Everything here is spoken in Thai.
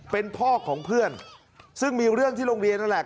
เป็นพ่อของเพื่อนซึ่งมีเรื่องที่โรงเรียนนั่นแหละ